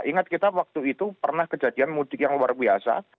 ingat kita waktu itu pernah kejadian mudik yang luar biasa